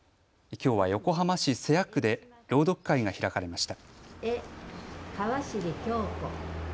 きょうは横浜市瀬谷区で朗読会が開かれました。